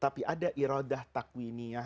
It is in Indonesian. tapi ada irodah takwinia